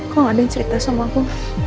kamu akan menceritakan semua itu